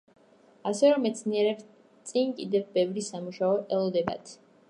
ასე რომ მეცნიერებს წინ კიდევ ბევრი სამუშაო ელოდებათ.